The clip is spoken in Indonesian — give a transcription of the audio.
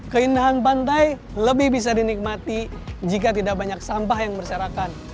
keindahan pantai lebih bisa dinikmati jika tidak banyak sampah yang berserakan